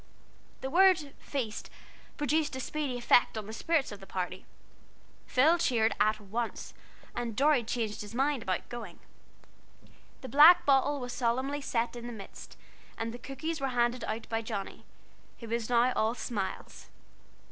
The word "Feast" produced a speedy effect on the spirits of the party. Phil cheered at once, and Dorry changed his mind about going. The black bottle was solemnly set in the midst, and the cookies were handed about by Johnnie, who was now all smiles.